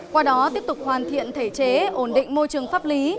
qua đó tiếp tục hoàn thiện thể chế ổn định môi trường pháp lý